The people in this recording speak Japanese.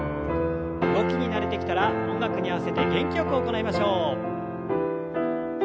動きに慣れてきたら音楽に合わせて元気よく行いましょう。